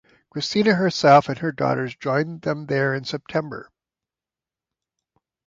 Christina herself and her daughters joined them there in September.